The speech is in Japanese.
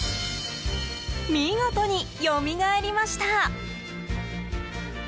見事によみがえりました。